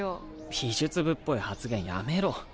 美術部っぽい発言やめろ。